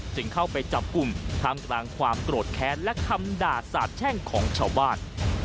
จึงเข้าไปจับกลุ่มท่ามกลางความโกรธแค้นและคำด่าสาบแช่งของชาวบ้าน